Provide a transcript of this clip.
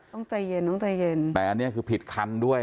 ใจเย็นต้องใจเย็นแต่อันนี้คือผิดคันด้วย